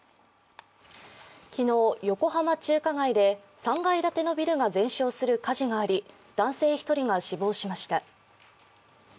昨日、横浜中華街で３階建てのビルが全焼する火事があり男性１人が死亡しました。